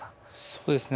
そうですね